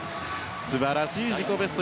素晴らしい自己ベスト。